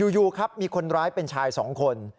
อยู่ครับมีคนร้ายเป็นชาย๒คน